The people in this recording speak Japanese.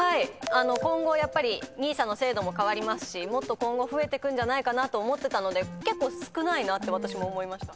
今後ＮＩＳＡの制度も変わりますしもっと増えてくんじゃないかなと思ったので結構少ないなって私も思いました。